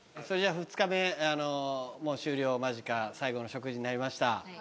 それじゃ２日目もう終了間近最後の食事になりました。